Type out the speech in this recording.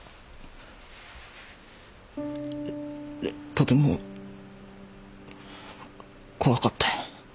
とても怖かった。